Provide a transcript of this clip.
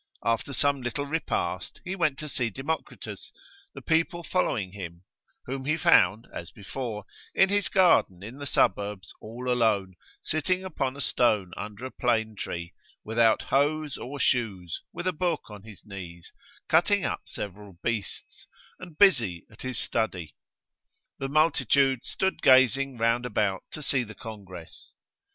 After some little repast, he went to see Democritus, the people following him, whom he found (as before) in his garden in the suburbs all alone, sitting upon a stone under a plane tree, without hose or shoes, with a book on his knees, cutting up several beasts, and busy at his study. The multitude stood gazing round about to see the congress.